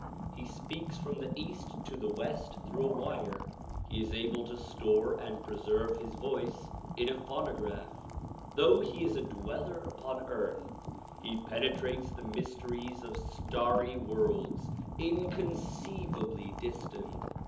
He speaks from the east to the west through a wire. He is able to store and preserve his voice in a phonograph. Though he is a dweller upon earth he penetrates the mysteries of starry worlds inconceivably distant.